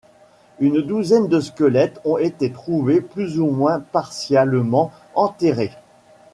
Une douzaine de squelettes ont été trouvés plus ou moins partialement enterrés.